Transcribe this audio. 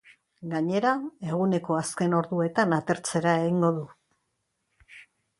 Gainera, eguneko azken orduetan atertzera egingo du.